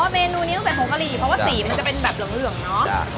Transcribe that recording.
อ๋อเมนูนี้ใส่ผงกะลีเพราะว่าสีมันจะเป็นแบบเหลื้อเหลืองเนอะ